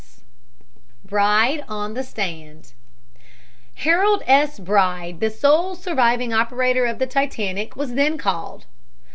S.'" BRIDE ON THE STAND Harold S. Bride, the sole surviving operator of the Titanic, was then called.